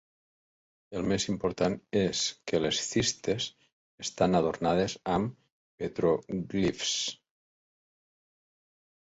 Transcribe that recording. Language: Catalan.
El més important és que les cistes estan adornades amb petròglifs.